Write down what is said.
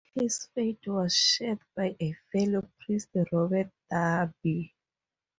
His fate was shared by a fellow priest, Robert Dalby.